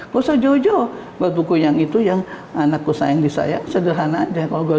gak usah jauh jauh buat buku yang itu yang anakku sayang di sayang sederhana aja kalau gue